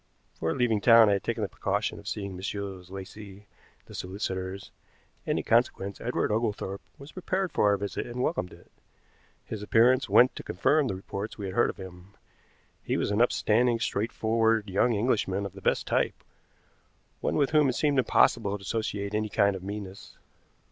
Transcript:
Before leaving town I had taken the precaution of seeing Messrs. Lacey, the solicitors, and in consequence Edward Oglethorpe was prepared for our visit and welcomed it. His appearance went to confirm the reports we had heard of him. He was an upstanding, straightforward young Englishman of the best type, one with whom it seemed impossible to associate any kind of meanness.